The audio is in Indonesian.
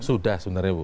sudah sebenarnya bu